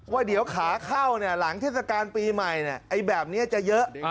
ว่าเดี๋ยวขาเข้าหลังเทศกาลปีใหม่แบบนี้จะเยอะ